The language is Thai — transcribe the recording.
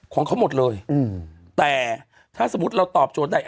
ของเขาหมดเลยอืมแต่ถ้าสมมุติเราตอบโจทย์ได้